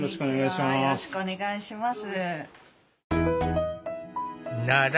よろしくお願いします。